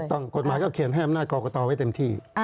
ถูกต้องกฎหมายเขาเขียนแห้มนาฬกรกตไว้เต็มที่